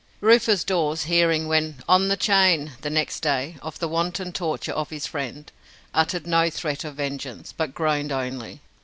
Rufus Dawes hearing, when "on the chain" the next day, of the wanton torture of his friend, uttered no threat of vengeance, but groaned only.